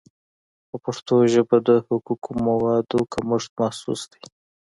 په پښتو ژبه د حقوقي موادو کمښت محسوس دی.